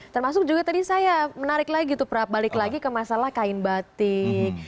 termasuk juga tadi saya menarik lagi tuh prap balik lagi ke masalah kain batik